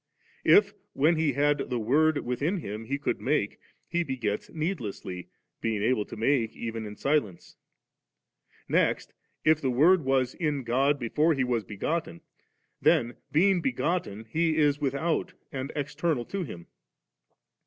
If, when He had 5ie Word within Him, He could make, He b^ets needlessly, being able to make even in silence. Next, if the Word was in God before He was begotten, then being begotten He is without and external to Him.